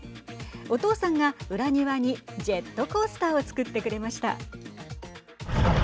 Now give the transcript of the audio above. お父さんが裏庭にジェットコースターを作ってくれました。